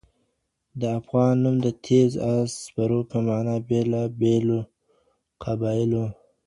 د افغان نوم د تېز آس سپرو په معنا د بېلابېلو قبایلو